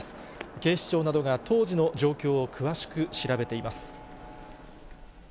警視庁などが当時の状況を詳しく調べています。